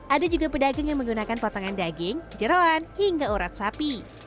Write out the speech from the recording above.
ada juga pedagang yang menggunakan potongan daging jerawan hingga urat sapi